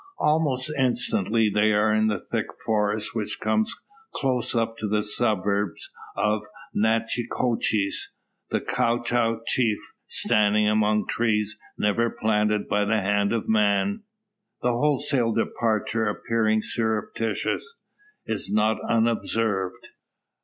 Almost instantly they are in the thick forest which comes close up to the suburbs of Natchitoches; the Choctaw Chief standing among trees never planted by the hand of man. The wholesale departure appearing surreptitious, is not unobserved.